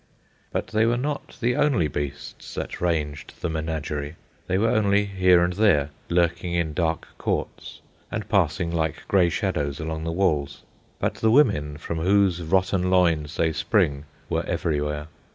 But they were not the only beasts that ranged the menagerie. They were only here and there, lurking in dark courts and passing like grey shadows along the walls; but the women from whose rotten loins they spring were everywhere.